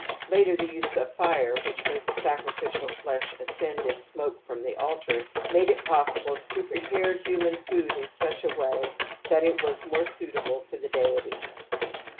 Later the use of fircy^ which made the sacrificial flesh ascend in smoke' from the altar, made it possible to prepare human food in such a way that it was more suitable for the deity.